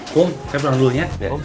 kum saya pulang dulu ya